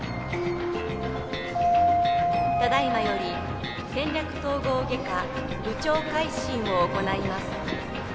「ただいまより戦略統合外科部長回診を行います」